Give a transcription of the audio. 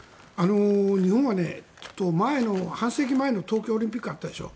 日本は半世紀前の東京オリンピックがあったでしょ。